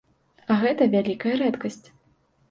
А гэта вялікая рэдкасць.